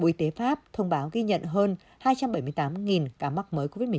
bộ y tế pháp đã tăng lên mức giảm lần đầu tiên kể từ giữa tháng một mươi một năm hai nghìn hai mươi